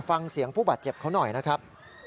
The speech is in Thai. ฟังเสียงผู้บาดเจ็บเขาหน่อยนะครับ